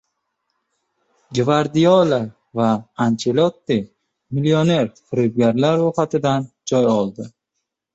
Gvardiola va Anchelotti millioner firibgarlar ro‘yhatidan joy oldi